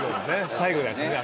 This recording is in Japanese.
最後のやつね。